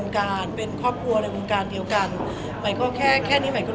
แล้วก็ไม่ใช่แค่ย้อยค่ะจริงมันคือกลมกรรม